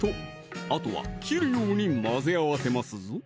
あとは切るように混ぜ合わせますぞ！